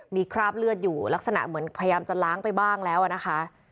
มีคราบเลือดอยู่ลักษณะเหมือนพยายามจะล้างไปบ้างแล้วนะคะ